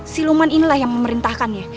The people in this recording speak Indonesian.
siluman inilah yang memerintahkannya